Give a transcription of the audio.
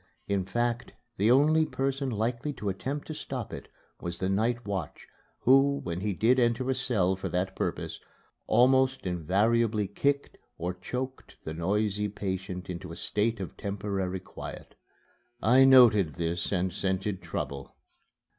In fact the only person likely to attempt to stop it was the night watch, who, when he did enter a cell for that purpose, almost invariably kicked or choked the noisy patient into a state of temporary quiet. I noted this and scented trouble.